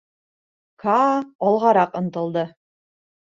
Каа алғараҡ ынтылды.